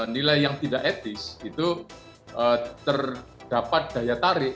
nilai yang tidak etis itu terdapat daya tarik